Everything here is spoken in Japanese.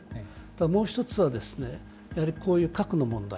もう１つはやはりこういう核の問題。